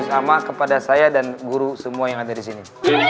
sama kepada saya dan guru semua yang ada di sini